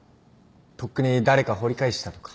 とっくに誰か掘り返したとか。